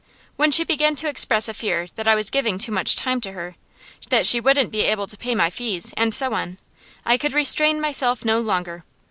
When she began to express a fear that I was giving too much time to her, that she wouldn't be able to pay my fees, and so on, I could restrain myself no longer.